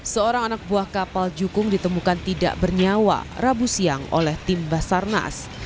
seorang anak buah kapal jukung ditemukan tidak bernyawa rabu siang oleh tim basarnas